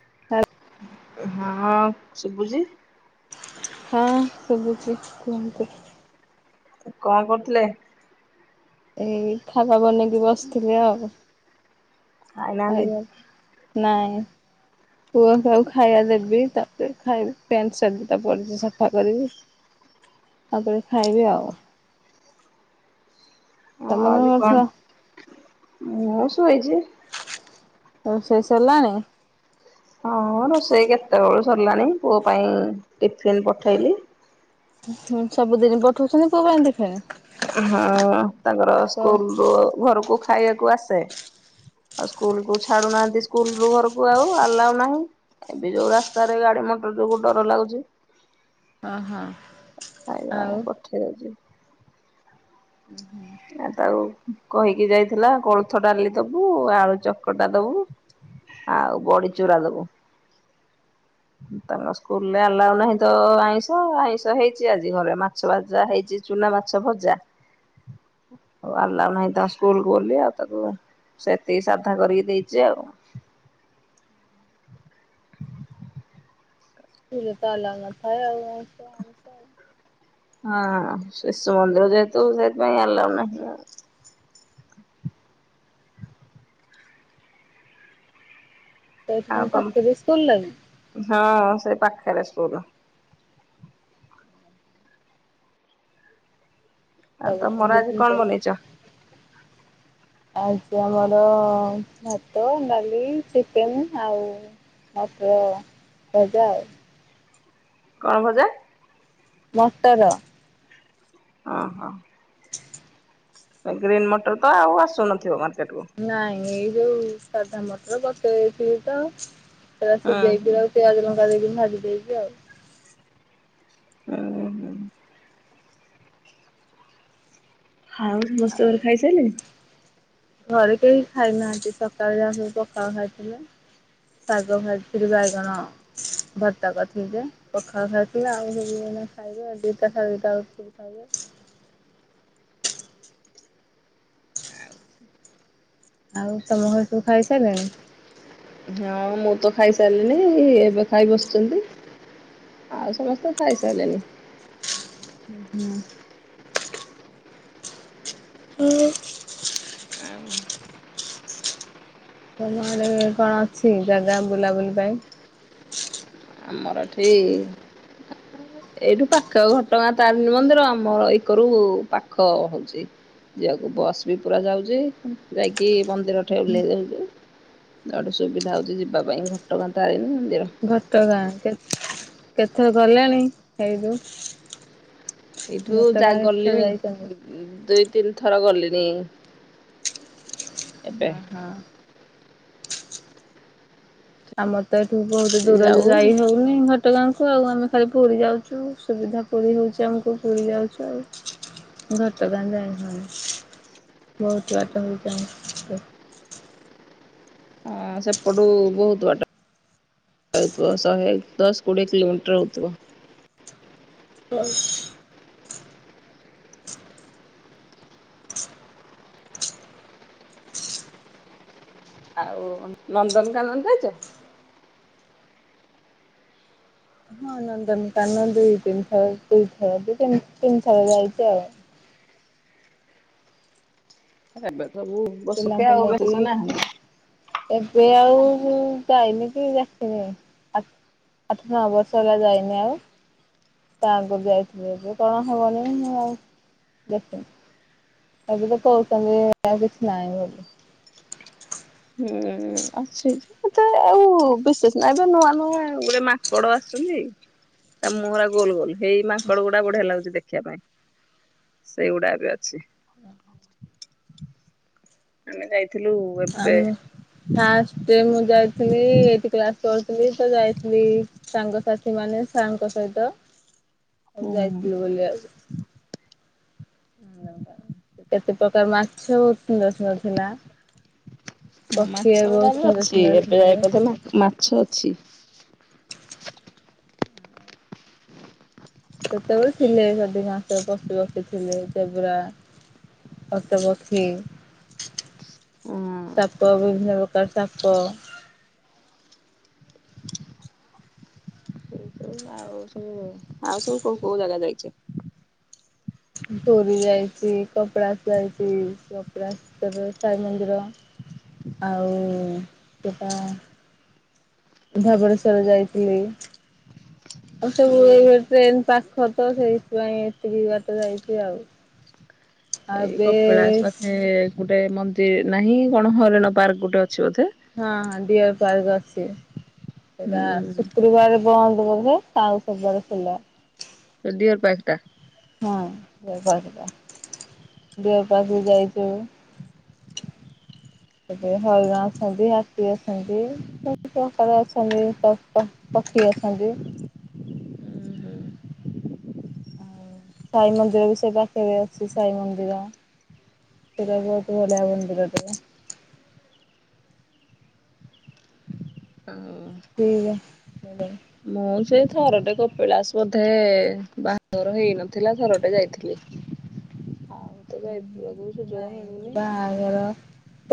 [unintelligible] ହଁ ଶୁଭୁଛି। ହଁ ଶୁଭୁଛି କୁହନ୍ତୁ? କଣ କରୁଥିଲେ? ଏଇ ଖାଇବା ବନେଇକି ବସିଥିଲି ଆଉ ଖାଇନାହାନ୍ତି? ଖାଇବାର ନାଇଁ। ପୁଅ ଆକୁ ଖାଇବା ଦେବି ତାପରେ ଭାଇ ପ୍ୟାଣ୍ଟ ସାର୍ଟ ଦିଟା ପଡିଛି ସଫା କରିବି। [inaudible] ତାପରେ ଖାଇବି ଆଉ। ହଁ ତମେ ଆଜି କରୁଛ? କଣ ମୁଁ ସୋଇଛି। ଆଉ ରୋଷେଇ ସରିଲାଣି। ହଁ ରୋଷେଇ କେତେବେଳୁ ସରିଲାଣି ପୁଅ ପାଇଁ ଟିଫିନ୍ ପଠାଇଲି। ହୁଁ ସବୁଦିନ ପଠଉଛନ୍ତି ପୁଅ ପାଇଁ ଟିଫିନ୍। ହଁ ତାଙ୍କର କ ସ୍କୁଲରୁ ଘରକୁ ଖାଇବାକୁ ଆସେ। ଆଉ ସ୍କୁଲକୁ ଛାଡୁନାହାନ୍ତି ସ୍କୁଲରୁ ଘରକୁ ଆଉ ଆଲାଉ ନାହିଁ। ଏବେ ଯୋଉ ରାସ୍ତାରେ ଗାଡି ମଟର ଯୋଗୁ ଡର ଲାଗୁଛି। ଓହୋ ଆଉ। ଠିକ ଅଛି। ହୁଁ ହୁଁ। ଆଉ କହିକି ଯାଇଥିଲା କୋଳଥ ଡାଲି ଦବୁ ଆଳୁ ଚକଟା ଦବୁ। ଆଉ ବଡି ଚୁରା ଦବୁ। ତାଙ୍କ ସ୍କୁଲରେ ଆଲାଉ ନାହିଁ ତ ଆଇଁଷ ଆଇଁଷ ହେଇଛି ଆଜି ଘରେ ମା ମାଛ ଭଜା ହେଇଛି ଚୁନାମାଛ ଭଜା। ଉ ଆଲ୍ଲାଉ ନାହିଁ ତା ସ୍କୁଲ ବୋଲି ଆଉ ତାକୁୁ ସେତିକି ସାଧା କରିକି ଦେଇଛି ଆଉ ସ୍କୁଲରେ ତ ଆଲାଉ ନଥାଏ ଆଉ [unintelligible] ହଁ ଶିଶୁ ମନ୍ଦିର ଯେହେତୁ ସେଇଥିପାଇଁ ଆଲାଉ ନାହିଁ ଆଉ। ସେଇଠି ଆଉ ତାଙ୍କ ତମ ପାଖରେ ବି ସ୍କୁଲ ଲାଗି। ହଁ ସେ ପାଖରେ ସ୍କୁଲ। ଆଉ ସବୁଦିନ ତମର ଆଜି ଟିଫିନ କଣ ପ୍ୟାକ୍ ବନେଇଛ? ହଉଛି ଆମର ଭାତ ଡାଲି ଚିକେନ ଆଉ ମଟର ଭଜା ଆଉ। କଣ ଭଜା? ମଟର। ଓହୋ। ଗ୍ରୀନ୍ ମଟର ତ ଆଉ ଆସୁନଥିବ ମାର୍କେଟ କୁ। ନାଇଁ ଏଇ ଯୋଉ ସାଧା ମଟର ବତୁରେଇ ଦେଇଥିଲି ତ। ସେଗୁରା ହୁଁ ସିଯେଇକି ହୁଁ ଆଉ ପିଆଜ ଲଙ୍କା ଦେଇକି ଭାଜି ଦେଇଚି ଆଉ। ହୁଁ ହୁଁ। ହଉ ଆଉ ସମସ୍ତେ ଘରେ ଖାଇସାରିଲେଣି। ଘରେ କେହି ଖାଇନାହାନ୍ତି ସକାଳୁ ଯାହା ସବୁ ପଖାଳ ଖାଇଥିଲେ। ଶାଗ ଭାଜିଥିଲି ବାଇଗଣ ଭତ୍ତା କରିଥିଲି ଯେ ପଖାଳ ଖାଇଥିଲା ଆଉ ସେ ଖାଇବେ ଦିଟା ସାଢ଼େ ଦିଟା ଓଳୁକୁ। [inaudible] ଆଉ ତମ ଘର ସବୁ ଖାଇସାରିଲାଣି? ହଁ ମୁଁ ତ ଖାଇସାରିଲିନି ଏବେ ଖାଇ ବସଛନ୍ତି। ଆଉ ସମସ୍ତେ ଖାଇ ସାରିଲେଣି। ହୁଁ- ହୁଁ। ହଁ। ଆଉ [unintelligible] କଣ ଅଛି ଜାଗା ବୁଲାବୁଲି ପାଇଁ। ମରାଠୀ ଏଇଠୁ ପାଖ ଘଟଗାଁ ତାରିଣୀ ମନ୍ଦିର ଆମ ଏକଇରୁ ପାଖ ହଉଛି। ଯିବାକୁ ବସ୍ ବି ପୁରା ଯାଉଛି ଯାଇକି ମନ୍ଦିର ଠେ ଓହ୍ଲେଇ ଦେଉଛୁ। ଇଆଡ଼େ ସୁବିଧା ହେଉଛି ଯିବା ପାଇଁ ଘଟଗାଁ ତାରିଣୀ ମନ୍ଦିର। ଘଟଗାଁ କେ କେଥର ଗଲାଣି ହେଇ [unintelligible] ଏଇଠୁ ଯା ଗଲିଣି ଯାଇଛନ୍ତି? ଦୁଇ ତିନି ଥର ଗଲେଣୀ ଝୁ ହଁ ହଁ। ଆମର ତ ଏଠୁ ବହୁତ ଦୂରରେ ଯାଉ ହଁ ଯାଇ ହଉ ପୁଣି ଘଟଗାଁକୁ ଆଉ ଆମେ ଖାଲି ପୁରୀ ଯାଉଛୁ ସୁବିଧା ପୁରୀ ହେଉଛି ଆମକୁ ପୁରୀ ଯାଉଛୁ ଆଉ। ଘଟଗାଁ ଯାଇ ହଉନି ବହୁତ ଘଟ ହେଯାଣି। ହଁ ସେପଟୁ ବହୁତ ବାଟ। ଶହେ ଦଶ କୋଡ଼ିଏ କିଲୋମିଟର ହେଉଥିବା। ହୁଁ। ଆଉ ନନ୍ଦନକାନନରେ ଅଛ। ହଁ ନନ୍ଦନକାନ ଦୁଇ ତିନିଥର ଦୁଇ ଥର ଦ ତିନିଥର ଯାଇଛି ଆଉ। ଏବେ ସବୁ ବସଖେ ପିଲାଙ୍କୁ ଆଉ ବେଶ ନେଇକି ନାହିଁ। ଏବେ ଆଉ ଯାଇନି କି ଦେଖିନି। ଆଠ ନଅବର୍ଷ ହେଲା ଯାଇନି ଆଉ। ତାଗରୁ ଯାଇଥିଲି ଏବେ କଣ ହବନି ମୁଁ ଆଉ ଦେଖିନି। ଏବେ ତ କହୁଛନ୍ତି ଏ କିଛି ନାହିଁ ବୋଲି। ହୁଁ ଅଛି। ଏତେ ଆଉ ବିଶେଷ ନାହିଁ ଏବେ ନୂଆ ନୂଆ ଗୋଟେ ମାଙ୍କଡ ଆସୁଛନ୍ତି। ତା ମୁହଁ ଟା ଗୋଲ ଗୋଲ ହେଇ ମାଙ୍କଡ ଗୁଡା ବଢିଆ ଲାଗୁଛି ଦେଖିବା ପାଇଁ ସେଇଗୁଡା ବି ଅଛି। ଆମେ ଯାଇଥିଲୁ। ଆ ଏବେ ମୁ ଫାଷ୍ଟ ମୁଁ ଯାଇଥିଲି ଏଠିକି ଆସୁ ଆସୁ ତ ଯାଇଥିଲି। ସାଙ୍ଗସାଥି ମାନେ ସାର ଙ୍କ ସହିତ ହ [inaudible] ମ ଯାଇଥିଲୁ ବୁଲିବାକୁ ଆଉ କେତେ ପ୍ରକାର ମାଛ ସୁନ୍ଦର ସୁନ୍ଦର ଥିଲା। ହ ପକ୍ଷୀ ମାଛ ବହୁତ ଗୁଡା ବି ସୁନ୍ଦର ଅଛି ସୁନ୍ଦର ଏବେ ଥିଲେ ବୋଧେ ମାଛ ଅଛି। ସେତେବେଳେ ଥିଲେ ଅଧିକାଂଶ ବସିି ବସି ଥିଲେ ଚବୁୁରା ଓଟପକ୍ଷୀ ହଁ ସପ ବିଭିନ୍ନ ପ୍ରକାର ସାପ ଆଉ ଆଉ ସବୁ କୋଉ କୋଉ ଜାଗା ଯାଇଛ? ପୁରୀ ଯାାଇଛି, କପିଳାସ ଯାଇଛି, କପିଳାସ ର ସାଇ ମନ୍ଦିର ଆଉ ସେଟା ଧବଳେଶ୍ୱର ଯାଇଥିଲି। ଆଉ ସବୁ ହୁଁ। ଏଇ ଟ୍ରେନ ପାଖ ତ ସେଇଥିପାଇଁ ଏତିକି ଯ ବାଟ ଯାଇଛି ଆଉ। [inaudible] ଆଉ ଏଇ ଏବେ କପିଳାସ ପାଖେ ଗୋଟେ ମନ୍ଦିର ନାହିଁ କଣ ହରିଣ ପାର୍କ ଗୋଟେ ଅଛି ବୋଧେ? ହଁ ହଁ ଡିୟର ପାର୍କ ଅଛି ସେଟା ହୁଁ ଶୁକ୍ରବାର ବନ୍ଦ ବୋଧେ ଆଉ ସବୁବେଳେ ଖୋଲା। ଡ଼ିଅର ପାର୍କଟା ହଁ [unintelligible] ଏବେ ହରିଣ ଅଛନ୍ତି ହାତୀ ଅଛନ୍ତି। ସବୁ ପ୍ରକାର ଅଛନ୍ତି ପକ୍ଷୀ ଅଛନ୍ତି। ଆଉ ସାଇ ମନ୍ଦିର ବି ସେ ପାଖରେ ଅଛି ସାଇ ମନ୍ଦିର। ସେଟା ବି ବହୁତ ବଢିଆ ମନ୍ଦିର ଟେ। [inaudible] ଠିକ [unintelligible] ମୁଁ ସେ ଥରଟେ କପିଳାସ ବୋଧେ ବାହାଘର ହେଇନଥିଲା ଥରଟେ ଯାଇଥିଲି। ଆଉ ତ ହୁଁ ଯାଇବାକୁ ହୁ ସୁଯୋଗ ନାଇଁ ମିଳୁନି। ବା ର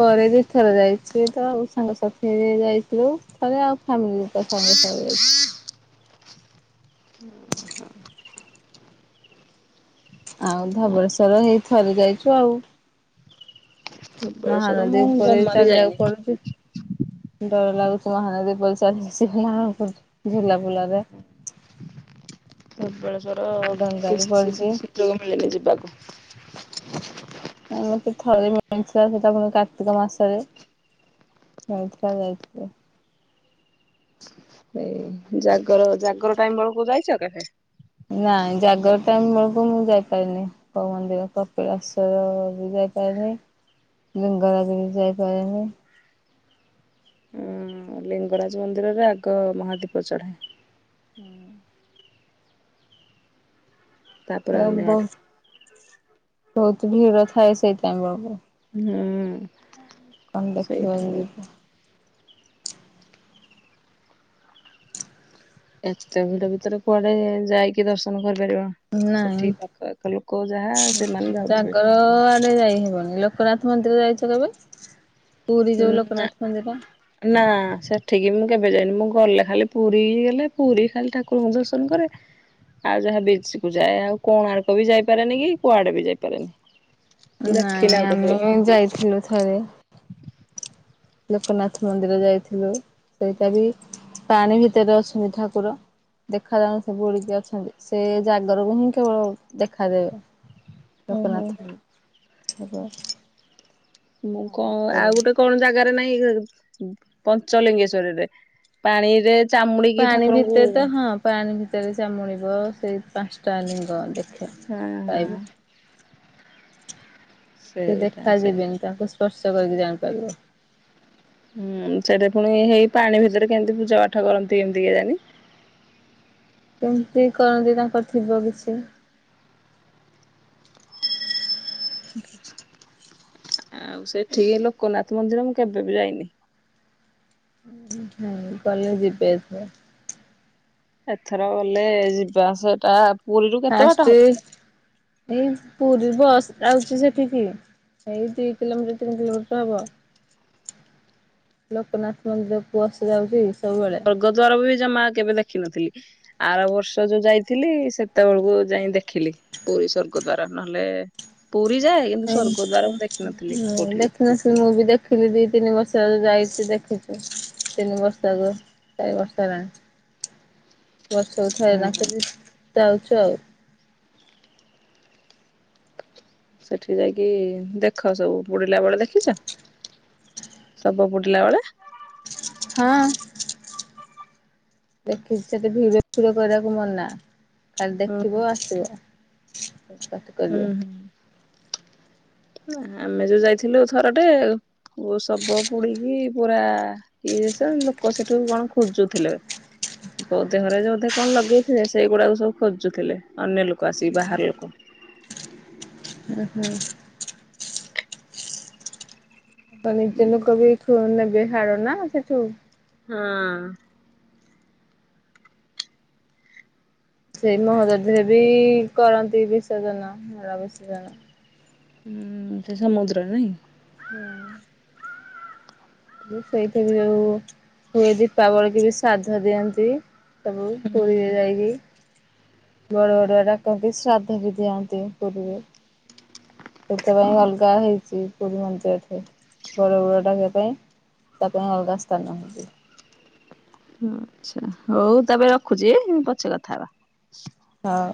ପରେ ଦି ଥର ଯାଇଛି ତ ଆଉ ସାାଙ୍ଗ ସାଥି ହେଇ ଯାଇଥିଲୁ। ସ ଆଉ ଫ୍ୟାମିଲି ତ ସାଙ୍ଗେ ସଙ୍ଗେ ଥରେ [inaudible] ଆଉ ଧବଳେଶ୍ଵର ଏଇ ଥରେ ଯାଇଛୁ ଆଉ। ଧବଳେଶ୍ଵର ମହାନଦୀ ମୁଁ ଉପରେ ଜମା ବି ଚାଲିବାକୁ ଯାଇନି। ପଡୁଛି ଡର ଲାଗୁଥିବ ମହାନଦୀ [unintelligible] ଝୁଲା ପୋଲରେ ଧବେଳେଶ୍ଵର ଡଙ୍ଗା କି ବି ପଡିଛି [unintelligible] ସୁଯୋଗ ମିଳେନି ଯିବାକୁ ମତେ ଥରେ ମିଳିଥିଲା ସେଇଟା ପୁଣି କାର୍ତ୍ତିକ ମାସରେ ମିଳିଥିଲା ଯାଇଥିଲି। ଏଇ ଜାଗର ଜାଗର ଟାଇମ୍ ବେଳକୁ ଯାଇଛ କେବେ? ନାଇଁ ଜାଗର ଟାଇମ ବେଳକୁ ମୁଁ ଯାଇପାରିନି। କୋଉ ମନ୍ଦିର କପିଳାଶର ବି ଯାଇପାରନି ଲିଙ୍ଗରାଜ ବି ଯାଇପାରିନି। ଉଁ ଲିଙ୍ଗରାଜ ମନ୍ଦିରରେ ଆଗ ମହାଦୀପ ଚଢ଼େ। ହୁଁ। ତାପରେ ଅନ୍ୟ [unintelligible] ଆଡେ। ବହୁତ ଭିଡ଼ ଥାଏ ସେଇ ଟାଇମ ବେଳକୁ। ହୁଁ କଣ ଦେଖିବ ସେଇଟା [unintelligible] ଏତେ ଭିଡ ଭିତରେ କୁଆଡେ ଯାଇକି ଦର୍ଶନ କରିପାରିବ? ନାଇଁ ସେଠି ପାଖ ଆଖ ଲୋକ ଯାହା ସେମାନେ ଯାଉଥିବେ। ଜାଗର ଆଡେ ଯାଇହବନି ଲୋକନାଥ ମନ୍ଦିର ଯାଇଛ କେବେ? ପୁରୀ ଯୋଉ ନା। ଲୋକନାଥ ମନ୍ଦିର ନା ସେଠିକି ମୁଁ କେବେ ଯାଇନି ମୁଁ ଗଲେ ଖାଲି ପୁରୀ ଗଲେ ପୁରୀ ଖାଲି ଠାକୁରଙ୍କୁ ଦର୍ଶନ କରେ। ଆଉ ଯାହା ବିଚ୍ କୁ ଯାଏ ଆଉ କୋଣାର୍କ ବି ଯାଇପାରେନି କି କୁଆଡେ ବି ଯାଇପାରେନି। ଦେଖିନି ନାଇଁ ଆଉ କୋଉଠି ଆମେ ଯାଇଥିଲୁ ଥରେ। ଲୋକନାଥ ମନ୍ଦିର ଯାଇଥିଲୁ ସେଇଟା ବି ପାଣି ଭିତରେ ଅଛନ୍ତି ଠାକୁର। ଦେଖାଯା [unintelligible] ସେ ବୁଡିକି ଅଛନ୍ତି ସେ ଜାଗରକୁ ହିଁ କେବଳ ଦେଖାଦେବେ ଲୋକନାଥ [unintelligible] ଲୋକନାଥ ମୁଁ କଣ ଆଉ ଗୋଟେ କଣ ଜାଗାରେ ନାହିଁ ପଞ୍ଚଲିଙ୍ଗେଶ୍ଵରରେ ପାଣିରେ ଚାମୁଡିକି ପାଣି ଠାକୁରଙ୍କୁ ଭିତରେ ତ ହଁ ପାଣି ଭିତରେ ଚାମୁଡିବ ସେଇ ପାଞ୍ଚଟା ଲିଙ୍ଗ ଦେଖ ହୁଁ, ହୁଁ। ସେ ସେଇଟା ଦେଖା ସେ ଯିବିନି ତାଙ୍କୁ ସ୍ପର୍ଶ କରିକି ଜାଣିପାରିବ। ହୁଁ, ସେଠି ପୁଣି ହେଇ ପାଣି ଭିତରେ କେମିତି ପୂଜା ପାଠ କରନ୍ତି ଏମିତି କେ ଜାଣିି। କେମିତି କରନ୍ତି ତାଙ୍କର ଥିବ କିଛି [inaudible] ଆଉ ସେଠିକି ଲୋକନାଥ ମନ୍ଦିର ମୁଁ କେବେ ବି ଯାଇନି। ମୁଁ ଗଲେ ଯିବେ ଏଥର। ଏଥର ଗଲେ ଯିବା ଆସିବାଟା ଫାଷ୍ଟ ଉଁ ପୁରୀ ବସ୍ ଆଉଛି ସେଠିକି। ଏଇ ଦୁଇ କିଲୋମିଟର ତିନି କିଲୋମିଟର ହବ। ଲୋକନାଥ ମନ୍ଦିର କୁ ଆସି ଯାଉଛି ସବୁବେଳେ। ରୋଜଗାର ଜମା କେବେ ଦେଖିନଥିଲି। ଆର ବର୍ଷ ଯୋଉ ଯାଇଥିଲି ସେତେବେଳକୁ ଯାଇ ଦେଖିଲି ପୁରୀ ସର୍ଗ ଦ୍ଵାରା ନହେଲେ ପୁରୀ ଯାଏ କିନ୍ତୁ ସ୍ଵର୍ଗ ଦ୍ଵାରା ମୁଁ ଦେଖିିନଥିଲି କୋଉଠି ବି ନା ସେ ମୁଁ ବି ଦେଖ ଦେଖିଲି ଦିଇ ତିନି ବର୍ଷ ଯାଇଛିୁ ଦେଖିଛୁ ତିନି ବର୍ଷ ଆକୁ ଚାରି ବର୍ଷ ହେଲାଣି। [inaudible] ବର୍ଷକୁ ଥର ହୁଁ। ନାଚଛି ଯାଉଛୁ ଆଉ। ସେଠି ଯାଇକି ଦେଖ ସବୁ ବୁଡିଲା ବେଳେ ଦେଖିଛ। ସବୁ ବୁଡ଼ିଲା ବେଳେ। ହଁ। ଦେଖିଛି ସେଠି ଭିଡଅ ଫିଡି କରିବାକୁ ମନା କାଲି ହୁଁ ଦେଖିବ ଆସିବ। କଟ୍ କଟ୍ ହୁଁ କାଲୁଆ ଆମେ ଯୋଉ ଯାଇଥିଲୁ ଥରଟେ ବଉ ଶବ ପୋଡିକି ପୁରା ଇଏ ସ ଜିନଷ ଲୋକ ସେଠୁ କଣ ଖୋଜୁଥିଲେ। କୋଉ ଦେହରେ ବଧେ କଣ ଲଗେଇଥିଲେ ସେଇଗୁଡାକୁ ସବୁ ଖୋଜୁଥିଲେ ଅନ୍ୟ ଲୋକ ଆସିକି ବାହାର ଲୋକ। ଅ ହ ତ ନିଜ ଲୋକ ବି ପୁଣି ନେବେ ନା ହାଡ ସେଠୁ। ହଁ। ସେଇ ମହୋଦଧରେ ବି କରନ୍ତି ବିସର୍ଜନ ମର ବିଷର୍ଜନ। ହୁଁ, ସେ ସମୁଦ୍ରରେ ନାଇଁ। ହଁ। ସେଇଥିରେ ଯୋଉ ହୁଏ ଦୀପାବଳି କି ବି ଶ୍ରାଦ୍ଧ ଦିଅନ୍ତି। ସବୁ ହୁଁ। ପୁରୀରେ ଯାଇକି ବଡ ବଡଆ ଡାକନ୍ତି ଶ୍ରାଦ୍ଧ ବି ଦିଅନ୍ତି ପୁରୀରେ। ସେଥିପାଇଁ ଅଲଗା ହେଇଛି। ପୁରୀ ମନ୍ଦିର ରେ ବଡ ବଡୁଆ ଡାକିବା ପାଇଁ ତା ପାଇଁ ଅଲଗା ସ୍ଥାନ ହୁଅନ୍ତି। ହିଁ, ଆଚ୍ଛା ହଉ ତାପରେ ରଖୁଛି ପଛେ କଥା ହେବା ହଁ।